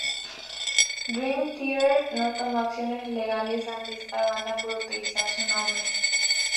Dream Theater no tomó acciones legales ante esta banda por utilizar su nombre.